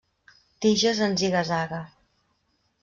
Tiges en ziga-zaga.